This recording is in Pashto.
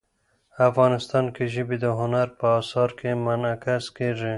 افغانستان کې ژبې د هنر په اثار کې منعکس کېږي.